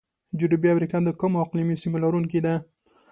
جنوبي امریکا د کومو اقلیمي سیمو لرونکي ده؟